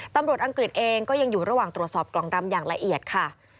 อังกฤษเองก็ยังอยู่ระหว่างตรวจสอบกล่องดำอย่างละเอียดค่ะ